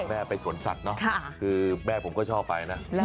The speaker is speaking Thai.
แม่ไปสวนสัตว์เนาะคือแม่ผมก็ชอบไปนะ